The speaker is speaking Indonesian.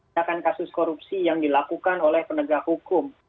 tidak akan kasus korupsi yang dilakukan oleh penegak hukum